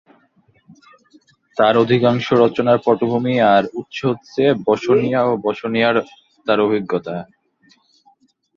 তার অধিকাংশ রচনার পটভূমি আর উৎস হচ্ছে বসনিয়া ও বসনিয়ায় তার অভিজ্ঞতা।